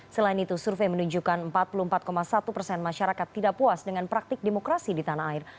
selain itu survei menunjukkan empat puluh empat satu persen masyarakat tidak puas dengan praktik demokrasi di tanah air